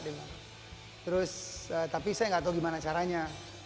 terus tapi saya gak tau gimana caranya